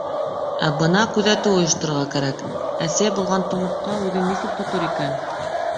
Ә бына күҙәтеү ойошторорға кәрәк, әсәй булған тумыртҡа үҙен нисек тотор икән?